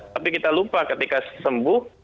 tapi kita lupa ketika sembuh